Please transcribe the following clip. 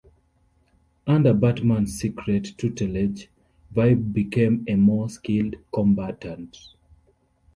Under Batman's secret tutelage, Vibe became a more skilled combatant.